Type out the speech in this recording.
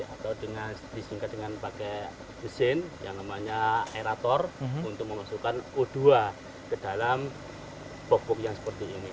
atau disingkat dengan pakai mesin yang namanya aerator untuk mengusulkan u dua ke dalam pupuk yang seperti ini